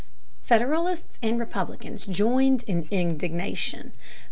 Federalists and Republicans joined in indignation.